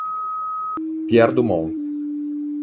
Pierre Dumont